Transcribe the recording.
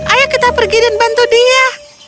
ayo kita pergi dan bantu dia